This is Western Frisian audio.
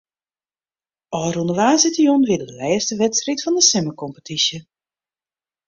Ofrûne woansdeitejûn wie de lêste wedstriid fan de simmerkompetysje.